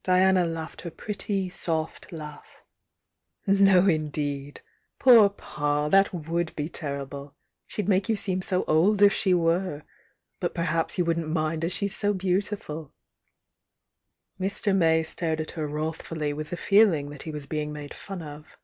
,^,, Diana laughed her pretty soft laugh. 40 THE YOUNG DIANA No, indeed! Poor Pa! That would be terrible! —shed make you seem so old if she were! But perhaps you wouldn't mind as she's so beautiful'" Mr. May stared at her wrathfully with the feel mg that he was being made fun of.